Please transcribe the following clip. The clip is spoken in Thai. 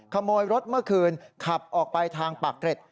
ขโมยรถเมื่อคืนขับออกไปทางปากเกร็ด